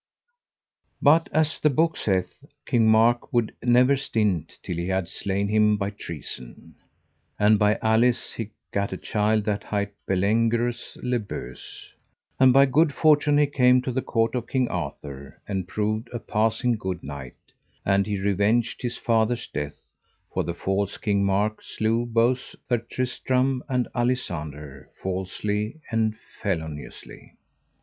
But as the book saith, King Mark would never stint till he had slain him by treason. And by Alice he gat a child that hight Bellengerus le Beuse. And by good fortune he came to the court of King Arthur, and proved a passing good knight; and he revenged his father's death, for the false King Mark slew both Sir Tristram and Alisander falsely and feloniously.